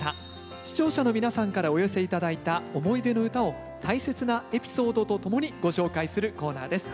視聴者の皆さんからお寄せ頂いた思い出の唄を大切なエピソードとともにご紹介するコーナーです。